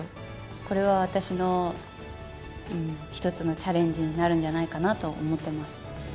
これは私の一つのチャレンジになるんじゃないかなと思ってます。